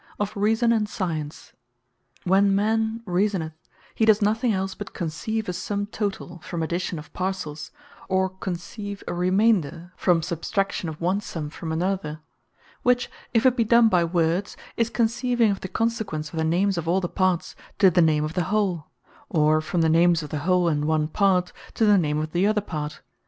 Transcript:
OF REASON, AND SCIENCE. Reason What It Is When a man Reasoneth, hee does nothing els but conceive a summe totall, from Addition of parcels; or conceive a Remainder, from Substraction of one summe from another: which (if it be done by Words,) is conceiving of the consequence of the names of all the parts, to the name of the whole; or from the names of the whole and one part, to the name of the other part.